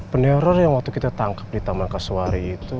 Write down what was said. penerror yang waktu kita tangkap di taman kasuari itu